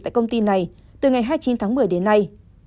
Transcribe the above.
tại công ty này từ ngày hai mươi chín tháng một mươi đến nay